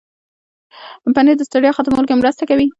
پنېر د ستړیا ختمولو کې مرسته کوي.